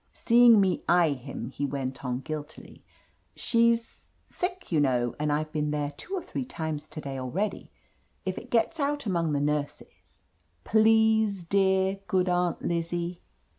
Seeing me eye him, he went on guiltily: "She's — sick, you know, and I've been there two or three times to day already. If it gets out among the nurses — please, dear, good Aunt Lizzie